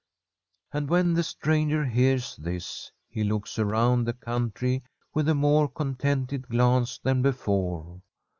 And when the stranger hears this, he looks around the country with a more contented glance than before.